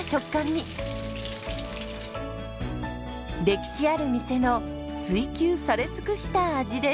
歴史ある店の追求され尽くした味です。